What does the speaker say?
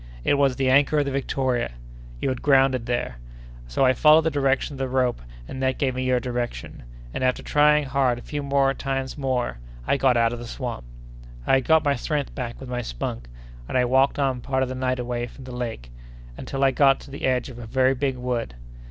It was the anchor of the Victoria! You had grounded there! So I followed the direction of the rope and that gave me your direction, and, after trying hard a few times more, I got out of the swamp. I had got my strength back with my spunk, and I walked on part of the night away from the lake, until I got to the edge of a very big wood.